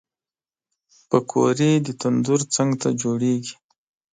پکورې د تندور څنګ ته جوړېږي